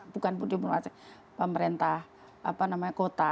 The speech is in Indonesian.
bukan di rumah sakit pemerintah kota